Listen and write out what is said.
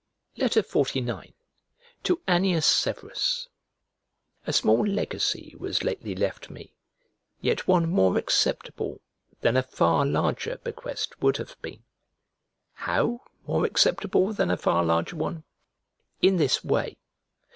XLIX To ANNIUS SEVERUS A SMALL legacy was lately left me, yet one more acceptable than a far larger bequest would have been. How more acceptable than a far larger one? In this way.